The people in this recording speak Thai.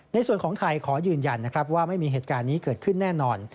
ในส่วนของไทยขอยืนยันนะครับว่าไม่มีเหตุการณ์นี้เกิดขึ้นแน่นอน